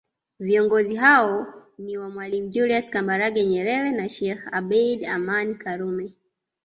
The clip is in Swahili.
Viongozi hao ni mwalimu Julius Kambarage Nyerere na Sheikh Abed Amani Karume